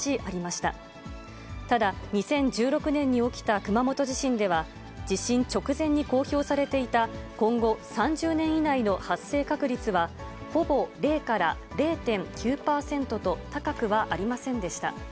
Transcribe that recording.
ただ、２０１６年に起きた熊本地震では、地震直前に公表されていた今後３０年以内の発生確率はほぼ０から０．９％と、高くはありませんでした。